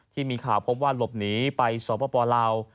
ที่มีข่าวพบว่าหลบหนีไปสปลาว